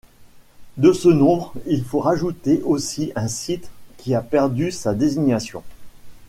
De ce nombre, il faut rajouté aussi un site qui a perdu sa désignation.